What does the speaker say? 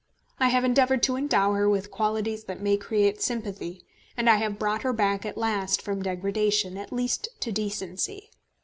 I have endeavoured to endow her with qualities that may create sympathy, and I have brought her back at last from degradation, at least to decency.